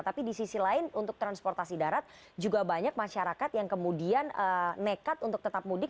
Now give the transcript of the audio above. tapi di sisi lain untuk transportasi darat juga banyak masyarakat yang kemudian nekat untuk tetap mudik